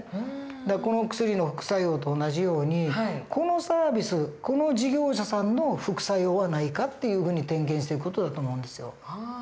だからこの薬の副作用と同じようにこのサービスこの事業者さんの副作用はないかっていうふうに点検していく事だと思うんですよ。